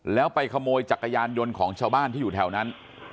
แล้วไปขโมยจักรยานยนต์ของชาวบ้านที่อยู่แถวนั้น